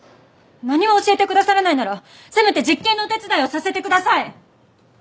何も教えてくださらないならせめて実験のお手伝いをさせてください！